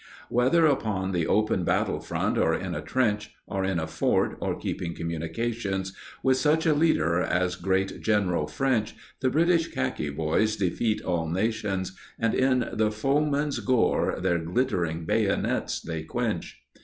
Whether upon the open battle front, or in a trench, Or in a fort, or keeping communications, With such a leader as great General French The British khaki boys defeat all nations, And in the foeman's gore their glittering bayonets they quench.